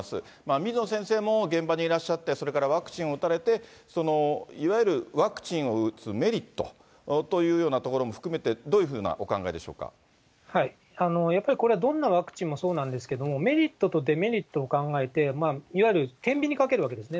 水野先生も現場にいらっしゃって、それからワクチンを打たれて、いわゆるワクチンを打つメリットというようなところも含めて、どやっぱりこれはどんなワクチンもそうなんですけれども、メリットとデメリットを考えて、いわゆるてんびんにかけるわけですね。